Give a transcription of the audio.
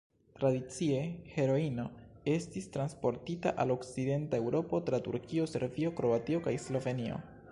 Tradicie, heroino estis transportita al Okcidenta Eŭropo tra Turkio, Serbio, Kroatio kaj Slovenio.